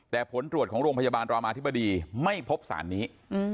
แต่ผลตรวจของโรงพยาบาลรามาธิบดีไม่พบสารนี้